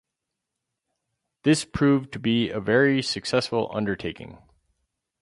This proved to be a very successful undertaking.